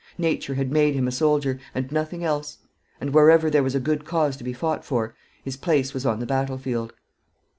Nature had made him a soldier, and nothing else; and wherever there was a good cause to be fought for, his place was on the battle field.